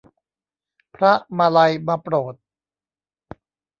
พระมาลัยมาโปรด